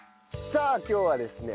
さあ今日はですね